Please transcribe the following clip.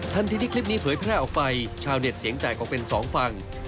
ทันทีที่คลิปนี้เผยแพร่ออกไปชาวเน็ตเสียงแตกออกเป็นสองฝั่ง